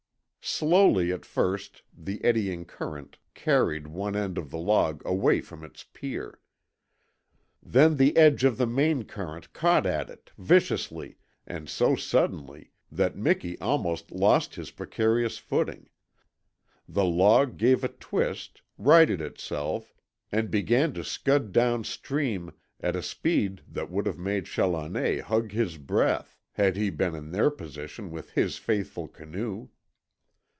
Slowly at first the eddying current carried one end of the log away from its pier. Then the edge of the main current caught at it, viciously and so suddenly that Miki almost lost his precarious footing, the log gave a twist, righted itself, and began, to scud down stream at a speed that would have made Challoner hug his breath had he been in their position with his faithful canoe.